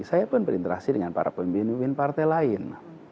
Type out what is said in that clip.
saya pun berinteraksi dengan para pemimpin pemimpin partai lain